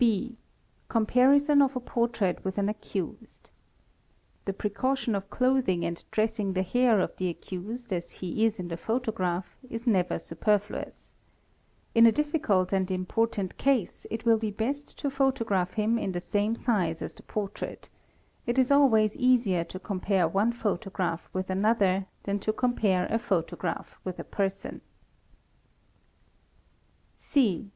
(b) Comparison of a portrait with an accused. The precaution clothing and dressing the hair of the accused as he is in the photo staph is never superfluous. In a difficult and important case it will be est to photograph him in the same size as the portrait; it is always ie to compare one photograph with another than to compare a pc Sy Am GRY) A MOGI? PRAIA otograph with a person.